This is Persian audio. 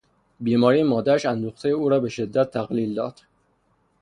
بیماری مادرش اندوختهی او را بشدت تقلیل داد.